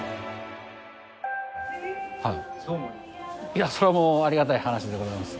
いやそりゃもうありがたい話でございます。